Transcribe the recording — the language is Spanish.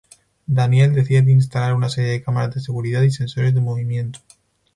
Daniel decide instalar una serie de cámaras de seguridad y sensores de movimiento.